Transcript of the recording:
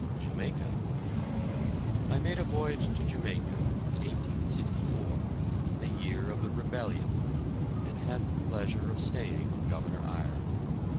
JAMAICA. I made a voyage to Jamaica in 1864, the year of the rebellion, and had the pleasure of staying with Governor Eyre.